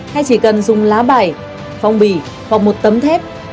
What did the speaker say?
hay chỉ cần dùng lá bài phong bì hoặc một tấm thép